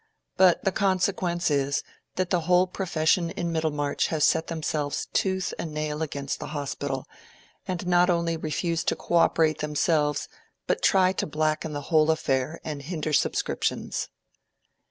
But the consequence is, that the whole profession in Middlemarch have set themselves tooth and nail against the Hospital, and not only refuse to cooperate themselves, but try to blacken the whole affair and hinder subscriptions."